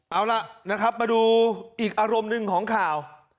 เอาล่ะนะครับมาดูอีกอารมณ์หนึ่งของข่าว